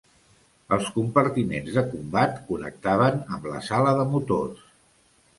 Els compartiments de combat connectaven amb la sala de motors.